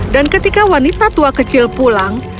dan ketika wanita tua kecil pulang